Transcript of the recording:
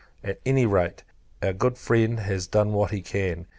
At any rate, our good Friend has done what he can.